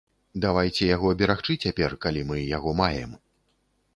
Давайце яго берагчы цяпер, калі мы яго маем.